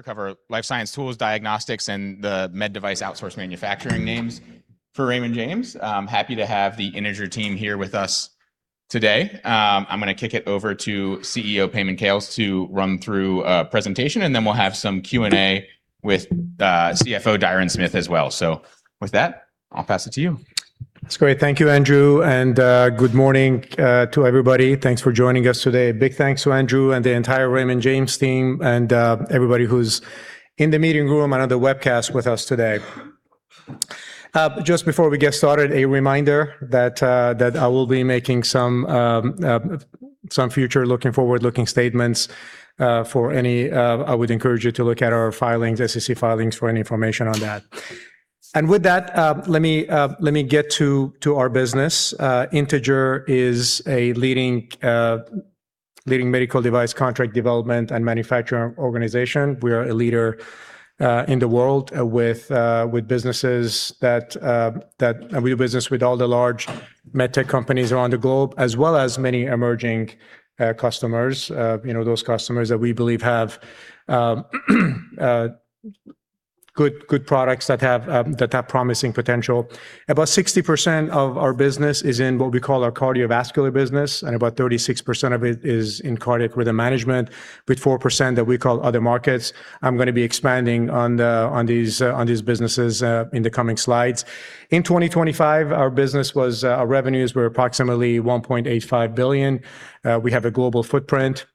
We're gonna cover life science tools, diagnostics, and the med device outsource manufacturing names for Raymond James. I'm happy to have the Integer team here with us today. I'm gonna kick it over to CEO Payman Khales to run through a presentation, and then we'll have some Q&A with CFO Diron Smith as well. With that, I'll pass it to you. That's great. Thank you, Andrew. Good morning to everybody. Thanks for joining us today. A big thanks to Andrew and the entire Raymond James team and everybody who's in the meeting room and on the webcast with us today. Just before we get started, a reminder that I will be making some future-looking, forward-looking statements. I would encourage you to look at our filings, SEC filings for any information on that. With that, let me get to our business. Integer is a leading medical device contract development and manufacturing organization. We are a leader in the world with businesses. We do business with all the large MedTech companies around the globe, as well as many emerging customers. you know, those customers that we believe have good products that have promising potential. About 60% of our business is in what we call our Cardiovascular business, and about 36% of it is in cardiac rhythm management, with 4% that we call other markets. I'm gonna be expanding on these businesses in the coming slides. In 2025, our business was, our revenues were approximately $1.85 billion. We have a global footprint.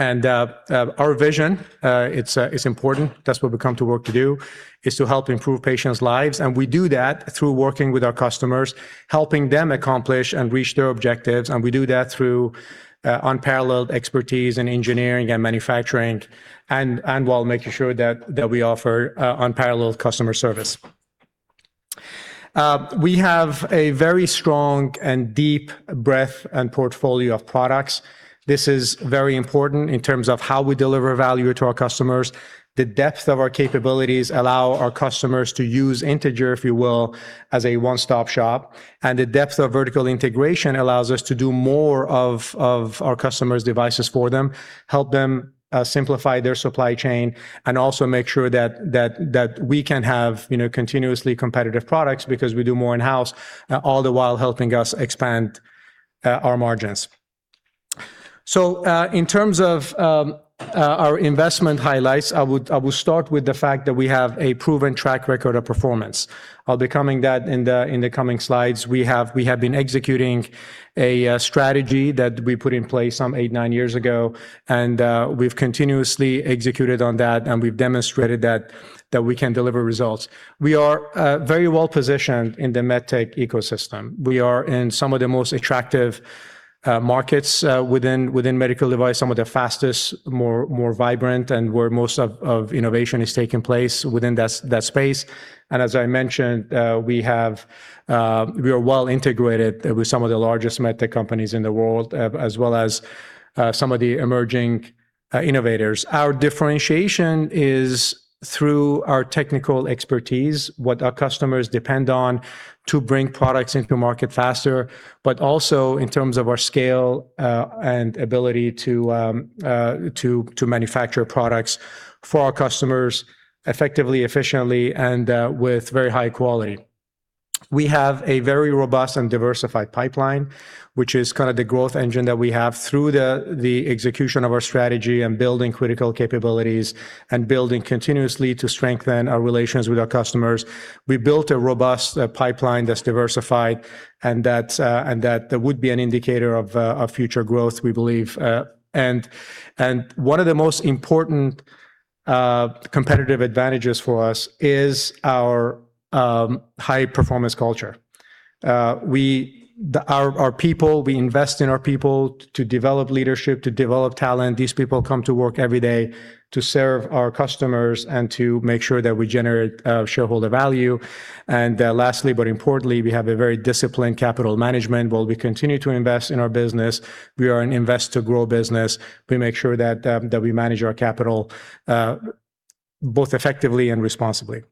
Our vision, it's important, that's what we come to work to do, is to help improve patients' lives. We do that through working with our customers, helping them accomplish and reach their objectives, and we do that through unparalleled expertise in engineering and manufacturing while making sure that we offer unparalleled customer service. We have a very strong and deep breadth and portfolio of products. This is very important in terms of how we deliver value to our customers. The depth of our capabilities allow our customers to use Integer, if you will, as a one-stop shop. The depth of vertical integration allows us to do more of our customers' devices for them, help them simplify their supply chain, and also make sure that we can have, you know, continuously competitive products because we do more in-house all the while helping us expand our margins. In terms of our investment highlights, I would start with the fact that we have a proven track record of performance. I'll be coming that in the coming slides. We have been executing a strategy that we put in place some eight, nine years ago, we've continuously executed on that, we've demonstrated that we can deliver results. We are very well-positioned in the MedTech ecosystem. We are in some of the most attractive markets within medical device, some of the fastest, more vibrant, and where most of innovation is taking place within that space. As I mentioned, we have, we are well integrated with some of the largest MedTech companies in the world, as well as, some of the emerging innovators. Our differentiation is through our technical expertise, what our customers depend on to bring products into market faster, but also in terms of our scale, and ability to manufacture products for our customers effectively, efficiently, and, with very high quality. We have a very robust and diversified pipeline, which is kind of the growth engine that we have through the execution of our strategy and building critical capabilities and building continuously to strengthen our relations with our customers. We built a robust, pipeline that's diversified and that would be an indicator of, future growth, we believe. One of the most important competitive advantages for us is our high-performance culture. Our people, we invest in our people to develop leadership, to develop talent. These people come to work every day to serve our customers and to make sure that we generate shareholder value. Lastly, but importantly, we have a very disciplined capital management. While we continue to invest in our business, we are an invest to grow business. We make sure that we manage our capital both effectively and responsibly.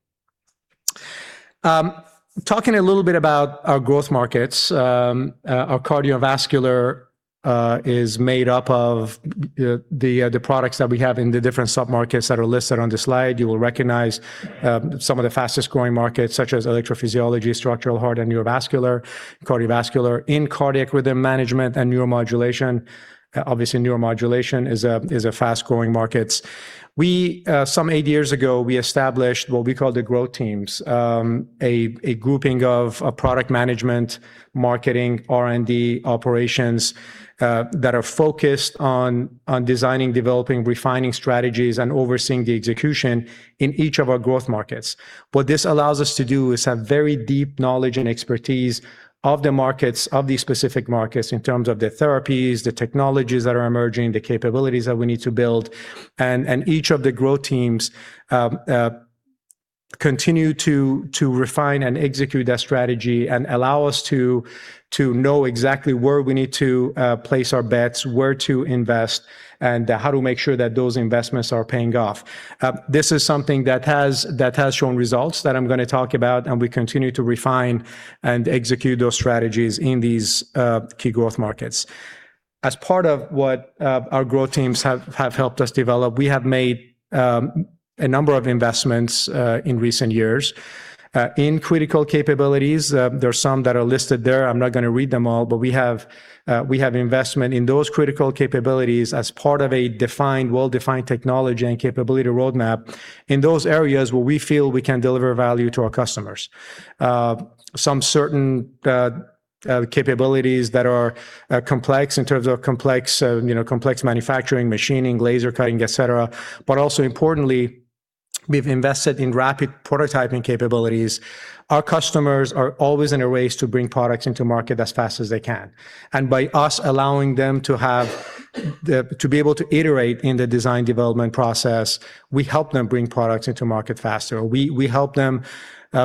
Talking a little bit about our growth markets, our Cardiovascular is made up of the products that we have in the different sub-markets that are listed on this slide. You will recognize, some of the fastest-growing markets, such as Electrophysiology, Structural Heart and Neurovascular, Cardiovascular in Cardiac Rhythm management, and Neuromodulation. Obviously, Neuromodulation is a fast-growing markets. We, some eight years ago, we established what we call the growth teams, a grouping of product management, marketing, R&D, operations, that are focused on designing, developing, refining strategies, and overseeing the execution in each of our growth markets. What this allows us to do is have very deep knowledge and expertise of the markets, of these specific markets in terms of the therapies, the technologies that are emerging, the capabilities that we need to build. Each of the growth teams continue to refine and execute that strategy and allow us to know exactly where we need to place our bets, where to invest, and how to make sure that those investments are paying off. This is something that has shown results that I'm gonna talk about, and we continue to refine and execute those strategies in these key growth markets. As part of what our growth teams have helped us develop, we have made a number of investments in recent years in critical capabilities. There are some that are listed there. I'm not gonna read them all, but we have investment in those critical capabilities as part of a well-defined technology and capability roadmap in those areas where we feel we can deliver value to our customers. Some certain capabilities that are complex in terms of complex, you know, complex manufacturing, machining, laser cutting, et cetera, but also importantly, we've invested in rapid prototyping capabilities. Our customers are always in a race to bring products into market as fast as they can. By us allowing them to be able to iterate in the design development process, we help them bring products into market faster. We help them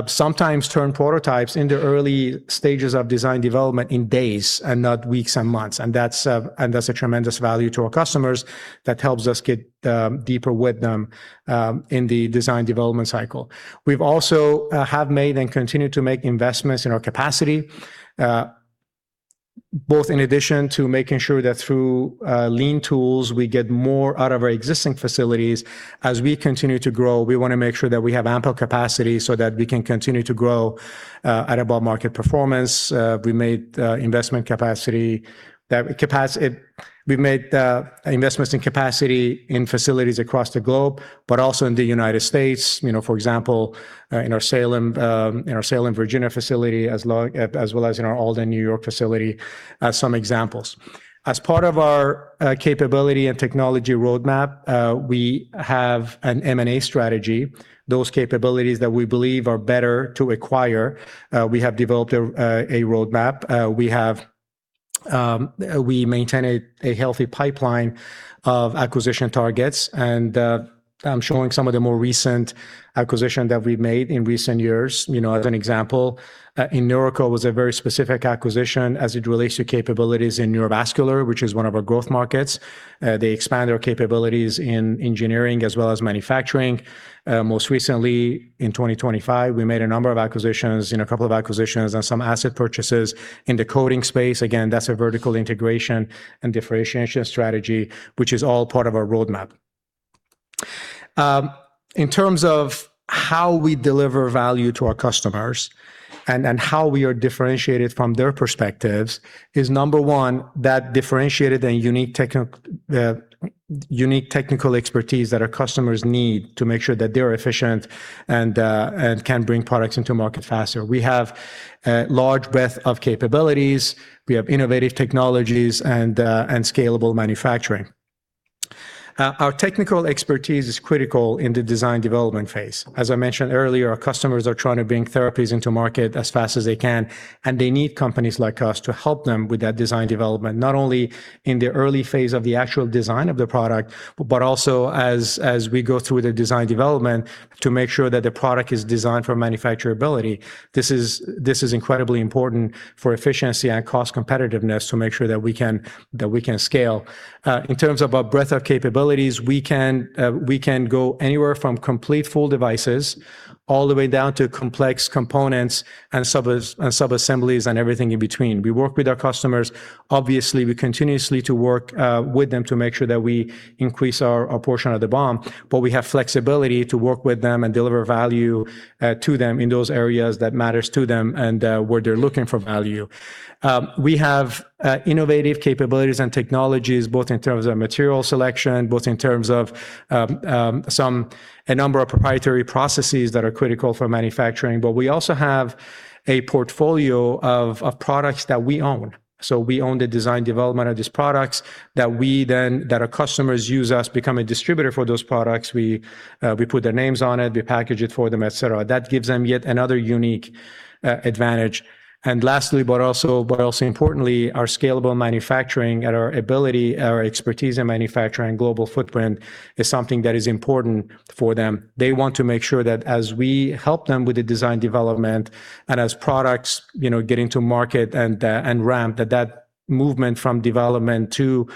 sometimes turn prototypes in the early stages of design development in days and not weeks and months. That's and that's a tremendous value to our customers that helps us get deeper with them in the design development cycle. We've also have made and continue to make investments in our capacity both in addition to making sure that through lean tools, we get more out of our existing facilities. As we continue to grow, we wanna make sure that we have ample capacity so that we can continue to grow at above market performance. We made investment capacity that We've made investments in capacity in facilities across the globe, but also in the United States. You know, for example, in our Salem in our Salem, Virginia facility, as well as in our Alden, New York facility, some examples. As part of our capability and technology roadmap, we have an M&A strategy. Those capabilities that we believe are better to acquire, we have developed a roadmap. We have, we maintain a healthy pipeline of acquisition targets, and I'm showing some of the more recent acquisition that we've made in recent years. You know, as an example, InNeuroCo was a very specific acquisition as it relates to capabilities in Neurovascular, which is one of our growth markets. They expand our capabilities in engineering as well as manufacturing. Most recently in 2025, we made a number of acquisitions, you know, a couple of acquisitions and some asset purchases in the coating space. Again, that's a vertical integration and differentiation strategy, which is all part of our roadmap. In terms of how we deliver value to our customers and how we are differentiated from their perspectives is number one, that differentiated and unique technical expertise that our customers need to make sure that they're efficient and can bring products into market faster. We have a large breadth of capabilities. We have innovative technologies and scalable manufacturing. Our technical expertise is critical in the design development phase. As I mentioned earlier, our customers are trying to bring therapies into market as fast as they can, and they need companies like us to help them with that design development, not only in the early phase of the actual design of the product, but also as we go through the design development to make sure that the product is designed for manufacturability. This is incredibly important for efficiency and cost competitiveness to make sure that we can scale. In terms of our breadth of capabilities, we can go anywhere from complete full devices all the way down to complex components and subassemblies and everything in between. We work with our customers. Obviously, we continuously to work with them to make sure that we increase our portion of the BOM, but we have flexibility to work with them and deliver value to them in those areas that matters to them and where they're looking for value. We have innovative capabilities and technologies, both in terms of material selection, both in terms of a number of proprietary processes that are critical for manufacturing, but we also have a portfolio of products that we own. we own the design development of these products that our customers use us, become a distributor for those products. We put their names on it, we package it for them, et cetera. That gives them yet another unique advantage. Lastly, but also importantly, our scalable manufacturing and our ability, our expertise in manufacturing global footprint is something that is important for them. They want to make sure that as we help them with the design development and as products, you know, get into market and ramp, that that movement from development to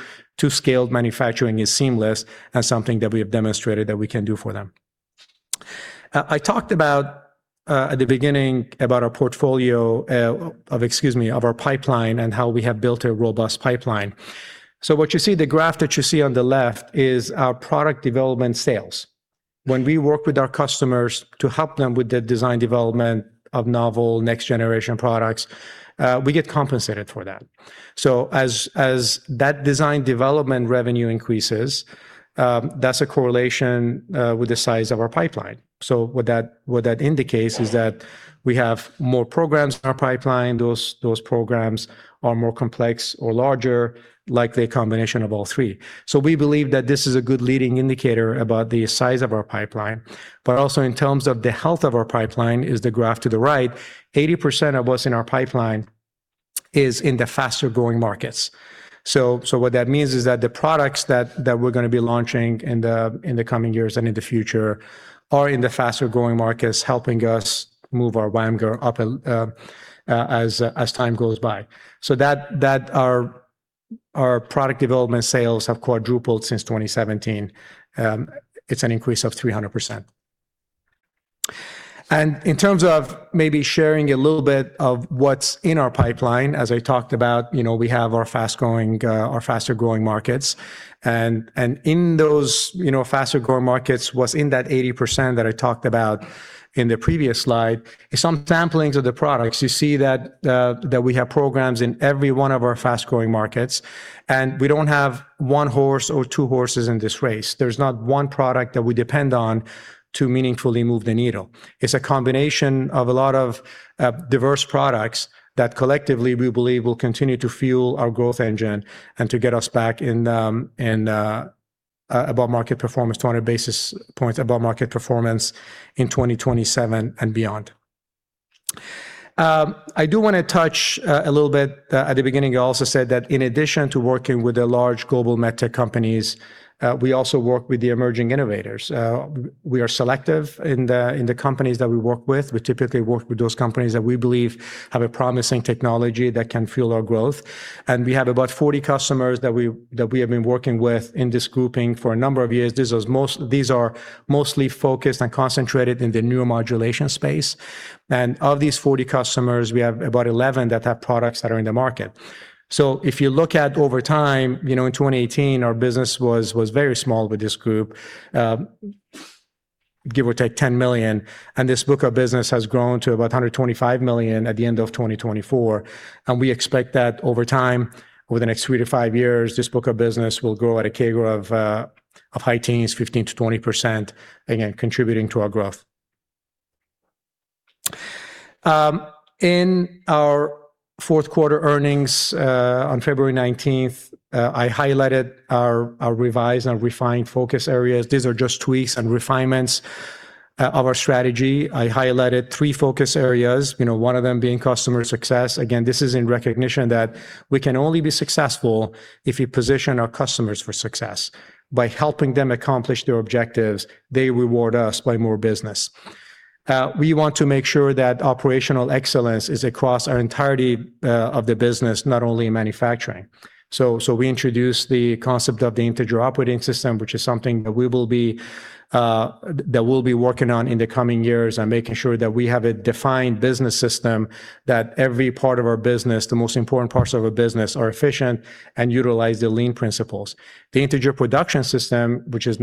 scaled manufacturing is seamless and something that we have demonstrated that we can do for them. I talked about at the beginning about our portfolio of, excuse me, of our pipeline and how we have built a robust pipeline. What you see, the graph that you see on the left is our product development sales. When we work with our customers to help them with the design development of novel next-generation products, we get compensated for that. As that design development revenue increases, that's a correlation with the size of our pipeline. What that indicates is that we have more programs in our pipeline. Those programs are more complex or larger, likely a combination of all three. We believe that this is a good leading indicator about the size of our pipeline, but also in terms of the health of our pipeline is the graph to the right. 80% of what's in our pipeline is in the faster-growing markets. What that means is that the products that we're gonna be launching in the coming years and in the future are in the faster-growing markets, helping us move our WAMGR up as time goes by. That our product development sales have quadrupled since 2017. It's an increase of 300%. In terms of maybe sharing a little bit of what's in our pipeline, as I talked about, you know, we have our fast-growing, our faster-growing markets. In those, you know, faster-growing markets was in that 80% that I talked about in the previous slide is some samplings of the products. You see that we have programs in every one of our fast-growing markets, and we don't have one horse or two horses in this race. There's not one product that we depend on to meaningfully move the needle. It's a combination of a lot of diverse products that collectively we believe will continue to fuel our growth engine and to get us back in above market performance, 200 basis points above market performance in 2027 and beyond. I do wanna touch a little bit at the beginning, I also said that in addition to working with the large global MedTech companies, we also work with the emerging innovators. We are selective in the companies that we work with. We typically work with those companies that we believe have a promising technology that can fuel our growth. We have about 40 customers that we have been working with in this grouping for a number of years. These are mostly focused and concentrated in the Neuromodulation space. Of these 40 customers, we have about 11 that have products that are in the market. If you look at over time, you know, in 2018 our business was very small with this group, give or take $10 million, and this book of business has grown to about $125 million at the end of 2024. We expect that over time, over the next three to five years, this book of business will grow at a CAGR of high teens, 15%-20%, again, contributing to our growth. In our fourth quarter earnings on February 19th, I highlighted our revised and refined focus areas. These are just tweaks and refinements of our strategy. I highlighted three focus areas, you know, one of them being customer success. Again, this is in recognition that we can only be successful if we position our customers for success. By helping them accomplish their objectives, they reward us by more business. We want to make sure that operational excellence is across our entirety of the business, not only in manufacturing. We introduced the concept of the Integer Operating System, which is something that we will be that we'll be working on in the coming years and making sure that we have a defined business system that every part of our business, the most important parts of our business, are efficient and utilize the lean principles. The Integer Production System, which is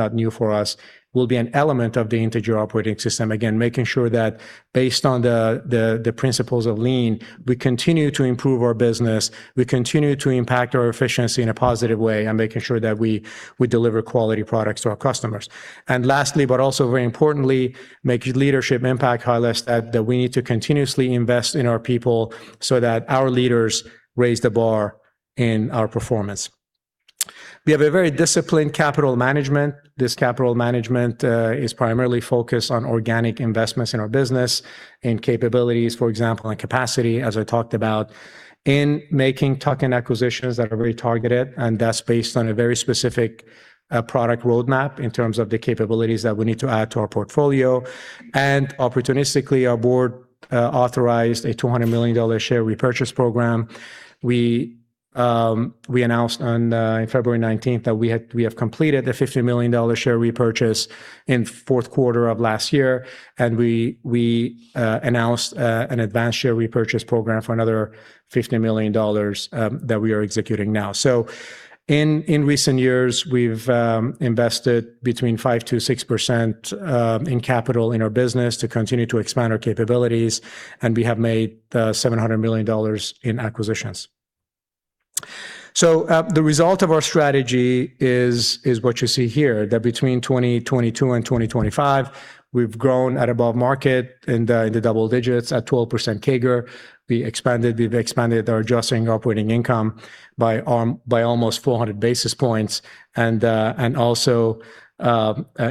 not new for us, will be an element of the Integer Operating System. Again, making sure that based on the principles of lean, we continue to improve our business, we continue to impact our efficiency in a positive way, and making sure that we deliver quality products to our customers. Lastly, but also very importantly, make leadership impact highlights that we need to continuously invest in our people so that our leaders raise the bar in our performance. We have a very disciplined capital management. This capital management is primarily focused on organic investments in our business, in capabilities, for example, and capacity, as I talked about, in making tuck-in acquisitions that are very targeted, and that's based on a very specific product roadmap in terms of the capabilities that we need to add to our portfolio. Opportunistically, our board authorized a $200 million share repurchase program. We announced on in February 19th that we have completed the $50 million share repurchase in fourth quarter of last year, and we announced an advanced share repurchase program for another $50 million that we are executing now. In recent years, we've invested between 5%-6% in capital in our business to continue to expand our capabilities, and we have made $700 million in acquisitions. The result of our strategy is what you see here, that between 2022 and 2025, we've grown at above market in the double digits at 12% CAGR. We expanded, we've expanded our adjusted operating income by almost 400 basis points and also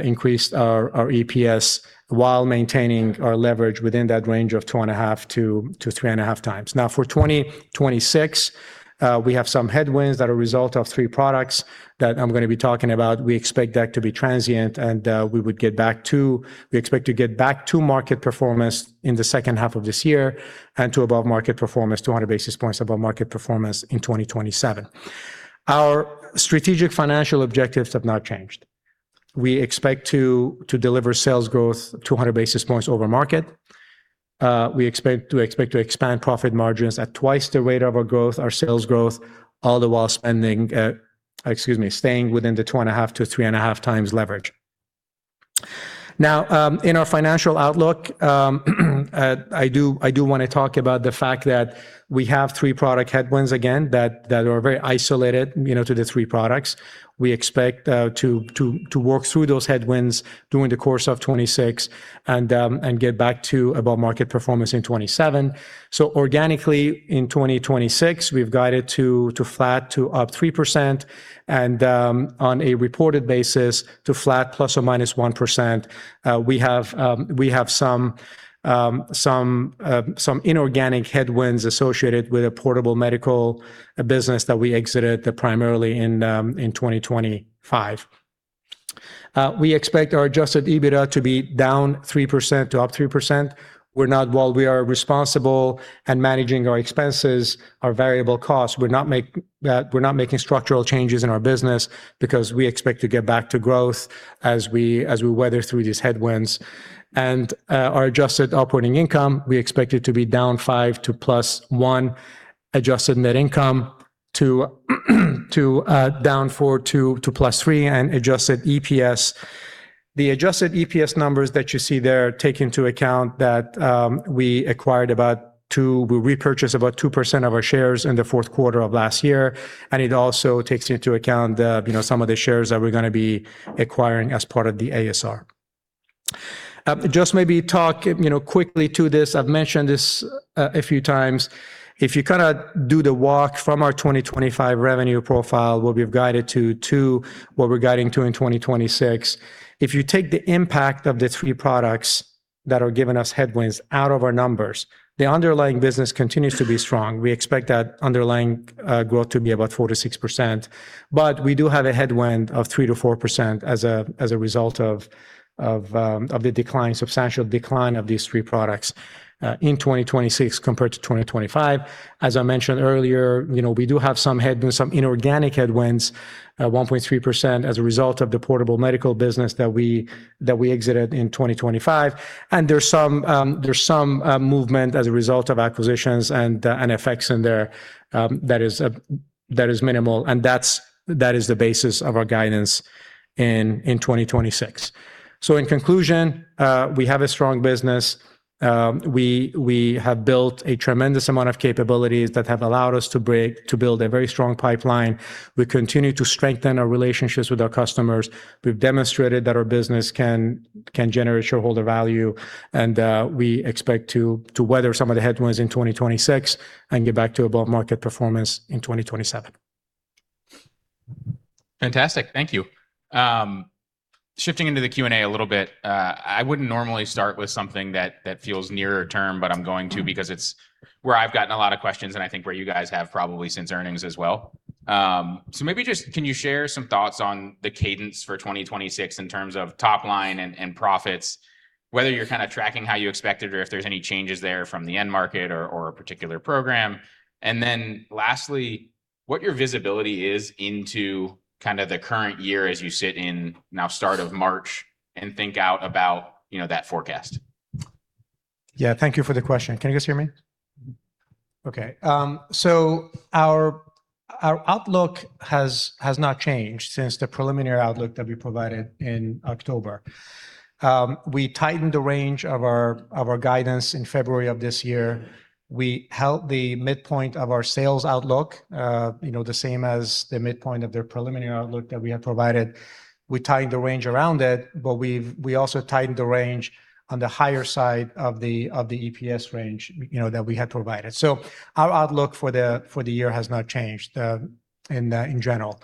increased our EPS while maintaining our leverage within that range of 2.5x-3.5x. For 2026, we have some headwinds that are a result of three products that I'm gonna be talking about. We expect that to be transient, and we expect to get back to market performance in the second half of this year and to above-market performance, 200 basis points above market performance in 2027. Our strategic financial objectives have not changed. We expect to deliver sales growth 200 basis points over market. We expect to expand profit margins at twice the rate of our growth, our sales growth, all the while spending, excuse me, staying within the 2.5x-3.5x leverage. Now, in our financial outlook, I do wanna talk about the fact that we have three product headwinds again that are very isolated, you know, to the three products. We expect to work through those headwinds during the course of 2026 and get back to above market performance in 2027. Organically in 2026 we've guided to flat to up 3% and on a reported basis to flat ±1%. We have some inorganic headwinds associated with a portable medical business that we exited primarily in 2025. We expect our adjusted EBITDA to be -3% to +3%. While we are responsible at managing our expenses, our variable costs, we're not making structural changes in our business because we expect to get back to growth as we weather through these headwinds. Our adjusted operating income, we expect it to be -5% to +1%. Adjusted net income to -4% to +3%. The adjusted EPS numbers that you see there take into account that we repurchased about 2% of our shares in the fourth quarter of last year, and it also takes into account, you know, some of the shares that we're gonna be acquiring as part of the ASR. Just maybe talk, you know, quickly to this. I've mentioned this a few times. If you kinda do the walk from our 2025 revenue profile, what we've guided to what we're guiding to in 2026, if you take the impact of the three products that are giving us headwinds out of our numbers, the underlying business continues to be strong. We expect that underlying growth to be about 4%-6%, but we do have a headwind of 3%-4% as a result of the decline, substantial decline of these three products in 2026 compared to 2025. As I mentioned earlier, you know, we do have some inorganic headwinds at 1.3% as a result of the portable medical business that we exited in 2025. There's some movement as a result of acquisitions and effects in there that is minimal, and that is the basis of our guidance in 2026. In conclusion, we have a strong business. We have built a tremendous amount of capabilities that have allowed us to build a very strong pipeline. We continue to strengthen our relationships with our customers. We've demonstrated that our business can generate shareholder value, and we expect to weather some of the headwinds in 2026 and get back to above-market performance in 2027. Fantastic. Thank you. Shifting into the Q&A a little bit, I wouldn't normally start with something that feels nearer term, but I'm going to because it's where I've gotten a lot of questions, and I think where you guys have probably since earnings as well. Maybe just can you share some thoughts on the cadence for 2026 in terms of top line and profits, whether you're kind of tracking how you expected or if there's any changes there from the end market or a particular program. Then lastly, what your visibility is into kind of the current year as you sit in now start of March and think out about, you know, that forecast. Thank you for the question. Can you guys hear me? Okay. Our outlook has not changed since the preliminary outlook that we provided in October. We tightened the range of our guidance in February of this year. We held the midpoint of our sales outlook, you know, the same as the midpoint of the preliminary outlook that we had provided. We tightened the range around it, we also tightened the range on the higher side of the EPS range, you know, that we had provided. Our outlook for the year has not changed, in general.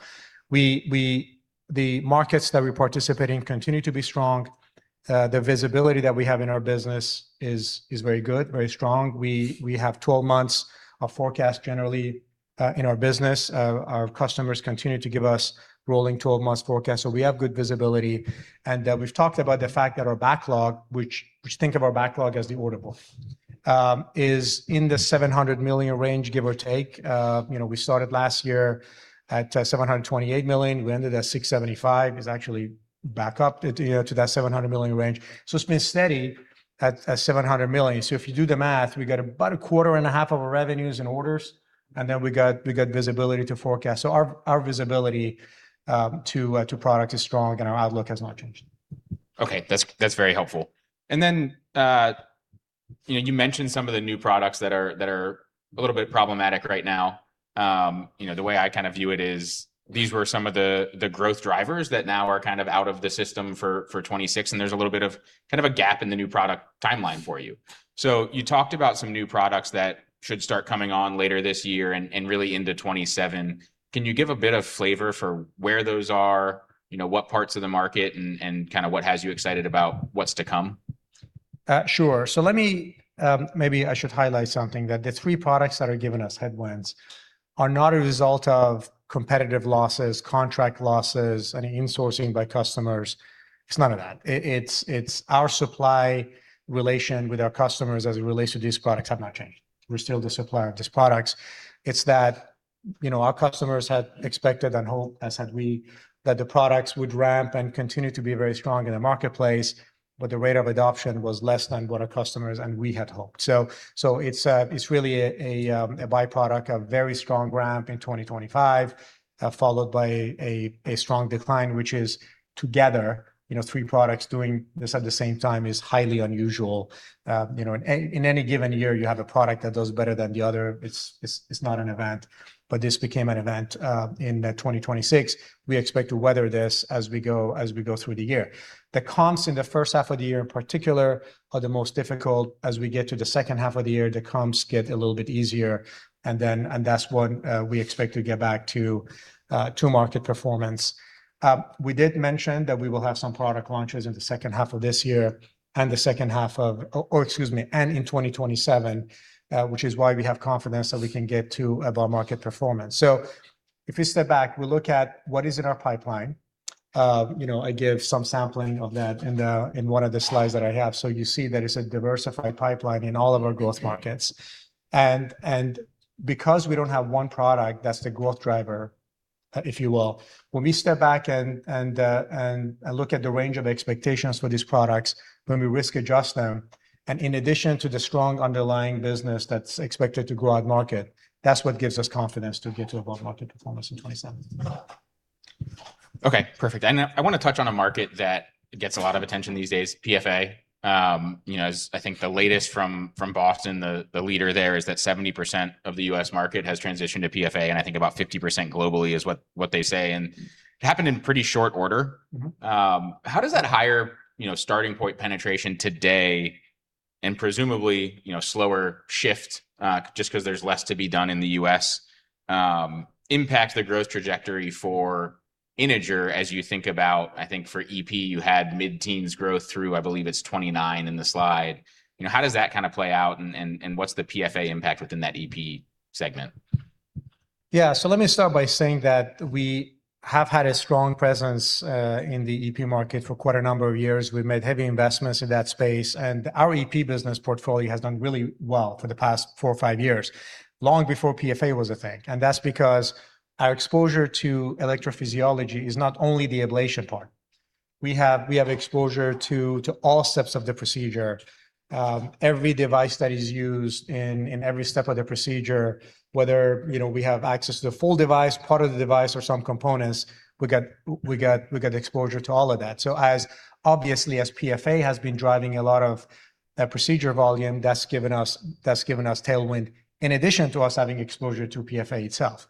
The markets that we participate in continue to be strong. The visibility that we have in our business is very good, very strong. We have 12 months of forecast generally in our business. Our customers continue to give us rolling 12-month forecast, so we have good visibility. We've talked about the fact that our backlog, which think of our backlog as the order book, is in the $700 million range, give or take. You know, we started last year at $728 million. We ended at $675 million. It's actually back up, you know, to that $700 million range. It's been steady at $700 million. If you do the math, we got about a quarter and a half of our revenues in orders, and then we got visibility to forecast. Our visibility to product is strong, and our outlook has not changed. Okay. That's, that's very helpful. You know, you mentioned some of the new products that are, that are a little bit problematic right now. You know, the way I kind of view it is these were some of the growth drivers that now are kind of out of the system for 2026, and there's a little bit of kind of a gap in the new product timeline for you. You talked about some new products that should start coming on later this year and really into 2027. Can you give a bit of flavor for where those are, you know, what parts of the market and kinda what has you excited about what's to come? Sure. Let me highlight something, that the three products that are giving us headwinds are not a result of competitive losses, contract losses, any insourcing by customers. It's none of that. It's our supply relation with our customers as it relates to these products have not changed. We're still the supplier of these products. It's that, you know, our customers had expected and hoped, as had we, that the products would ramp and continue to be very strong in the marketplace, but the rate of adoption was less than what our customers and we had hoped. It's really a byproduct of very strong ramp in 2025, followed by a strong decline, which is together, you know, three products doing this at the same time is highly unusual. You know, in any given year, you have a product that does better than the other. It's not an event. This became an event in 2026. We expect to weather this as we go through the year. The comps in the first half of the year in particular are the most difficult. As we get to the second half of the year, the comps get a little bit easier and that's when we expect to get back to market performance. We did mention that we will have some product launches in the second half of this year and in 2027, which is why we have confidence that we can get to above-market performance. If we step back, we look at what is in our pipeline, you know, I gave some sampling of that in the, in one of the slides that I have. You see that it's a diversified pipeline in all of our growth markets. Because we don't have one product that's the growth driver, if you will, when we step back and look at the range of expectations for these products when we risk adjust them, and in addition to the strong underlying business that's expected to grow at market, that's what gives us confidence to get to above market performance in 2027. Okay, perfect. I wanna touch on a market that gets a lot of attention these days, PFA. You know, as I think the latest from Boston, the leader there is that 70% of the U.S. market has transitioned to PFA, and I think about 50% globally is what they say. It happened in pretty short order. Mm-hmm. How does that higher, you know, starting point penetration today and presumably, you know, slower shift, just 'cause there's less to be done in the U.S., impact the growth trajectory for Integer as you think about... I think for EP you had mid-teens growth through, I believe it's 29% in the slide. You know, how does that kind of play out and, and what's the PFA impact within that EP segment? Yeah. Let me start by saying that we have had a strong presence in the EP market for quite a number of years. We've made heavy investments in that space, and our EP business portfolio has done really well for the past four or five years, long before PFA was a thing. That's because our exposure to Electrophysiology is not only the ablation part. We have exposure to all steps of the procedure. Every device that is used in every step of the procedure, whether, you know, we have access to the full device, part of the device or some components, we got exposure to all of that. As obviously as PFA has been driving a lot of procedure volume, that's given us tailwind in addition to us having exposure to PFA itself.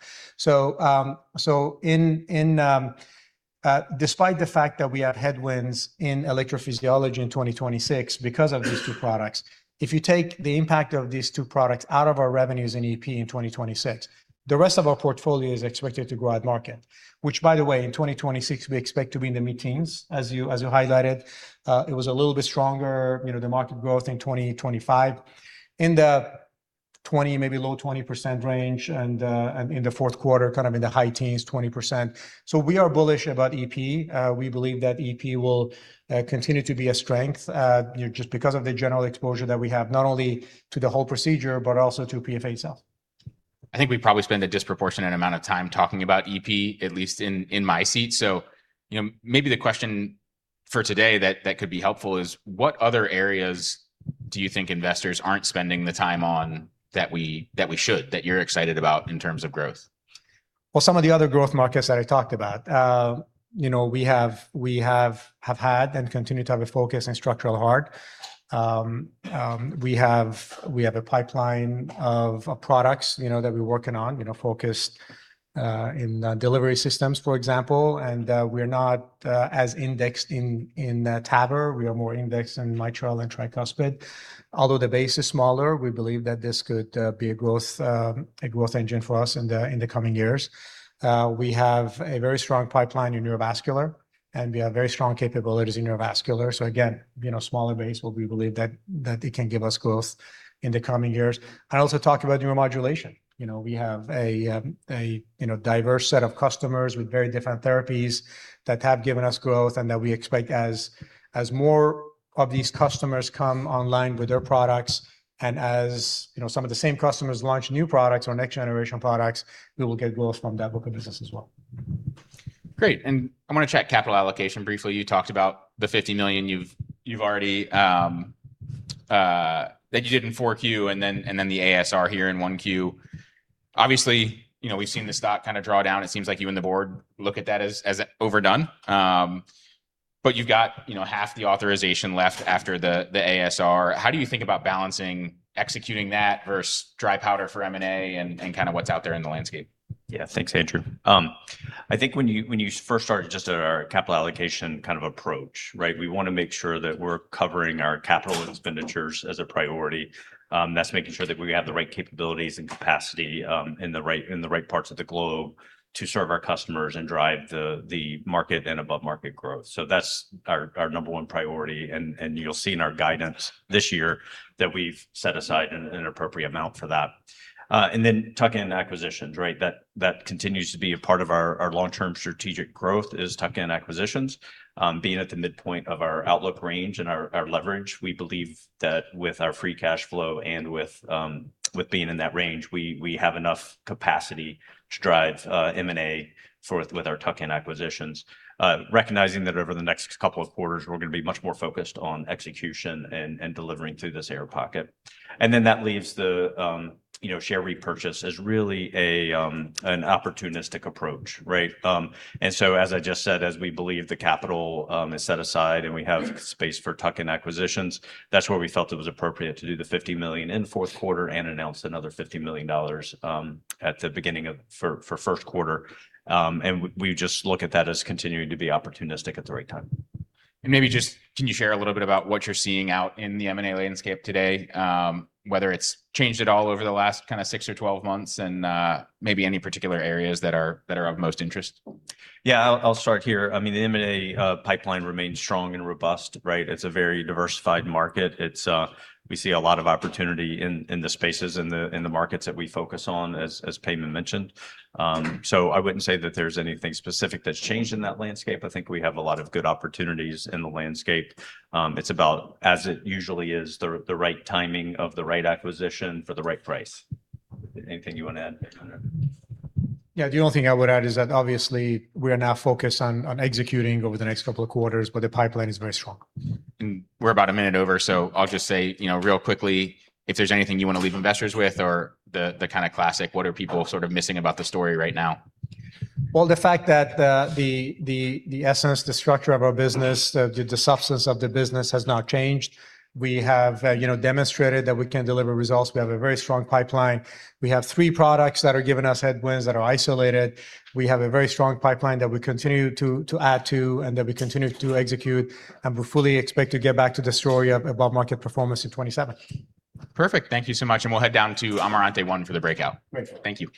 Despite the fact that we have headwinds in Electrophysiology in 2026 because of these two products, if you take the impact of these two products out of our revenues in EP in 2026, the rest of our portfolio is expected to grow at market. Which by the way, in 2026 we expect to be in the mid-teens, as you, as you highlighted. It was a little bit stronger, you know, the market growth in 2025. In the 20%, maybe low 20% range and in the fourth quarter, kind of in the high teens, 20%. We are bullish about EP. We believe that EP will continue to be a strength, you know, just because of the general exposure that we have not only to the whole procedure, but also to PFA itself. I think we probably spend a disproportionate amount of time talking about EP, at least in my seat. You know, maybe the question for today that could be helpful is, what other areas do you think investors aren't spending the time on that we, that we should, that you're excited about in terms of growth? Well, some of the other growth markets that I talked about. You know, we have had and continue to have a focus in Structural Heart. We have a pipeline of products, you know, that we're working on, you know, focused in delivery systems, for example. We're not as indexed in TAVR. We are more indexed in mitral and tricuspid. Although the base is smaller, we believe that this could be a growth, a growth engine for us in the coming years. We have a very strong pipeline in Neurovascular, and we have very strong capabilities in Neurovascular. Again, you know, smaller base, but we believe that it can give us growth in the coming years. I also talked about Neuromodulation. You know, we have a, you know, diverse set of customers with very different therapies that have given us growth and that we expect as more of these customers come online with their products and as, you know, some of the same customers launch new products or next generation products, we will get growth from that book of business as well. Great. I wanna check capital allocation briefly. You talked about the $50 million you've already that you did in 4Q, and then the ASR here in 1Q. Obviously, you know, we've seen the stock kind of draw down. It seems like you and the board look at that as overdone. You've got, you know, half the authorization left after the ASR. How do you think about balancing executing that versus dry powder for M&A and kind of what's out there in the landscape? Yeah. Thanks, Andrew. I think when you first started just our capital allocation kind of approach, right? We wanna make sure that we're covering our capital expenditures as a priority. That's making sure that we have the right capabilities and capacity, in the right parts of the globe to serve our customers and drive the market and above market growth. That's our number one priority. You'll see in our guidance this year that we've set aside an appropriate amount for that. Tuck-in acquisitions, right? That continues to be a part of our long-term strategic growth is tuck-in acquisitions. Being at the midpoint of our outlook range and our leverage, we believe that with our free cash flow and with being in that range, we have enough capacity to drive M&A with our tuck-in acquisitions. Recognizing that over the next couple of quarters, we're gonna be much more focused on execution and delivering through this air pocket. That leaves the, you know, share repurchase as really an opportunistic approach, right. As I just said, as we believe the capital is set aside and we have space for tuck-in acquisitions, that's where we felt it was appropriate to do the $50 million in fourth quarter and announce another $50 million for first quarter. We just look at that as continuing to be opportunistic at the right time. Maybe just can you share a little bit about what you're seeing out in the M&A landscape today, whether it's changed at all over the last kind of six or 12 months, maybe any particular areas that are of most interest? I'll start here. I mean, the M&A pipeline remains strong and robust, right? It's a very diversified market. It's, we see a lot of opportunity in the spaces in the, in the markets that we focus on, as Payman mentioned. I wouldn't say that there's anything specific that's changed in that landscape. I think we have a lot of good opportunities in the landscape. It's about, as it usually is, the right timing of the right acquisition for the right price. Anything you wanna add, Payman? Yeah. The only thing I would add is that obviously we are now focused on executing over the next couple of quarters, but the pipeline is very strong. We're about a minute over, so I'll just say, you know, real quickly if there's anything you wanna leave investors with or the kinda classic what are people sort of missing about the story right now? Well, the fact that the essence, the structure of our business, the substance of the business has not changed. We have, you know, demonstrated that we can deliver results. We have a very strong pipeline. We have three products that are giving us headwinds that are isolated. We have a very strong pipeline that we continue to add to and that we continue to execute. We fully expect to get back to destroy above market performance in 2027. Perfect. Thank you so much. We'll head down to Amarante 1 for the breakout. Great. Thank you.